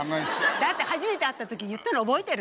だって初めて会った時言ったの覚えてる？何つった？